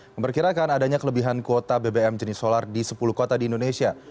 memperkirakan adanya kelebihan kuota bbm jenis solar di sepuluh kota di indonesia